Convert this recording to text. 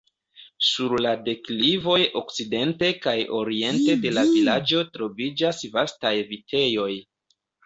Sur la deklivoj okcidente kaj oriente de la vilaĝo troviĝas vastaj vitejoj.